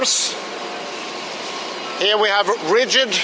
di sini kita memiliki banyak kandungan kandungan